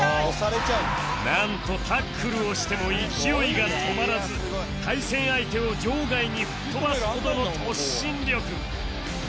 なんとタックルをしても勢いが止まらず対戦相手を場外に吹っ飛ばすほどの突進力